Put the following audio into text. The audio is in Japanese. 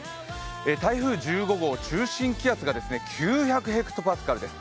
台風１５号中心気圧が９００ｈＰａです。